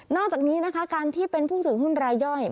อกจากนี้นะคะการที่เป็นผู้ถือหุ้นรายย่อย